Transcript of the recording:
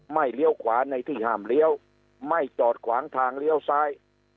เลี้ยวขวาในที่ห้ามเลี้ยวไม่จอดขวางทางเลี้ยวซ้าย